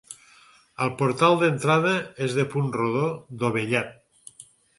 El portal d'entrada és de punt rodó dovellat.